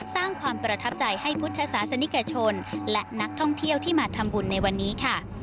สร้างความประทับใจให้พุทธศาสนิกชนและนักท่องเที่ยวที่มาทำบุญในวันนี้ค่ะ